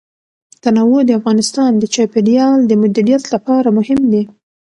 تنوع د افغانستان د چاپیریال د مدیریت لپاره مهم دي.